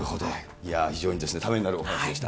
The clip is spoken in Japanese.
いや、非常にためになるお話でした。